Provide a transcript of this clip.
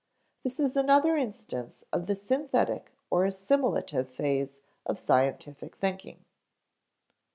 This is another instance of the synthetic or assimilative phase of scientific thinking.